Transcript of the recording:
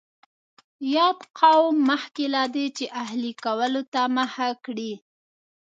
یاد قوم مخکې له دې چې اهلي کولو ته مخه کړي